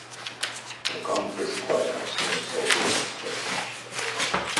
The Country Squire was never sold in Australia.